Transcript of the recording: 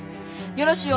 よろしゅう